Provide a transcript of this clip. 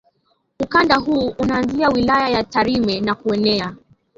Ukanda huu unaanzia wilaya ya Tarime na kuenea